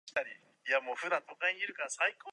薄暗くて、人気がなくて、日中でも行こうとは思わない場所だった